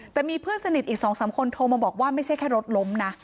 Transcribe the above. แต่มีเพื่อนสนิทอีก๒๓คนโทรมาบอกว่าไม่ใช่แค่รถล้มนะ